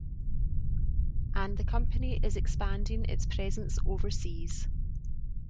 And the company is expanding its presence overseas.